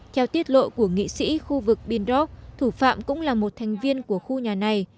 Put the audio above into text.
theo tiết lộ của nghị sĩ khu vực bingdorg thủ phạm cũng là một thành viên của khu nhà này